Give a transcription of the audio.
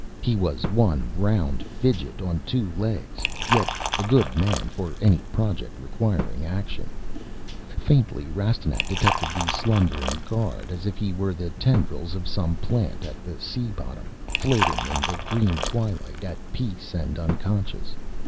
He was one round fidget on two legs, yet a good man for any project requiring action. Faintly, Rastignac detected the slumbering guard as if he were the tendrils of some plant at the sea bottom, floating in the green twilight, at peace and unconscious.